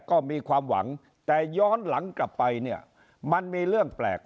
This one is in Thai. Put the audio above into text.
ก็มีความหวังแต่ย้อนหลังกลับไปเนี่ยมันมีเรื่องแปลก